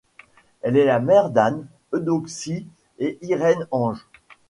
Elle est la mère d'Anne, Eudoxie et Irène Ange.